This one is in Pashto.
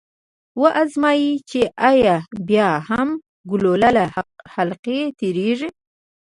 و ازمايئ چې ایا بیا هم ګلوله له حلقې تیریږي؟